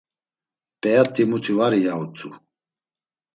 P̌eat̆i muti var i, ya utzu.